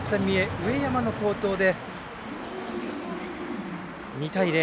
上山の好投で、２対０。